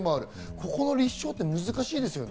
ここの立証って難しいですよね。